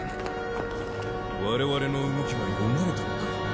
我々の動きが読まれたのか？